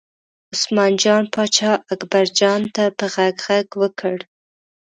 عثمان جان پاچا اکبرجان ته په غږ غږ وکړ.